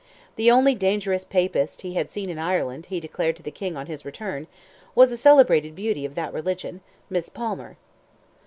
The only "dangerous Papist" he had seen in Ireland, he declared to the King on his return, was a celebrated beauty of that religion—Miss Palmer.